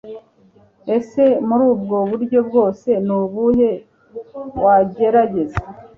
Ese muri ubwo buryo bwose ni ubuhe wagerageza